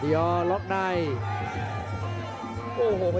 โยกขวางแก้งขวา